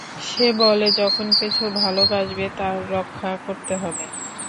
সে বলে, যখন কিছু ভালোবাসবে, তার রক্ষা করতে হবে।